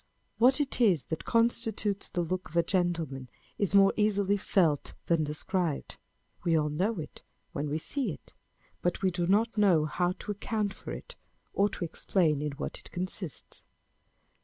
What it is that constitutes the look of a gentleman is more easily felt than described. We all know it when we see it ; but we do not know how to account for it, or to explain in what it consists.